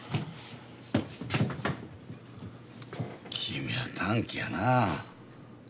君は短気やな。